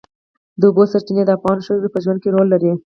د اوبو سرچینې د افغان ښځو په ژوند کې رول لري.